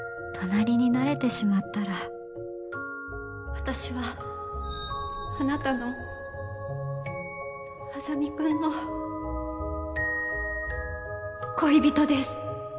私はあなたの莇君の恋人です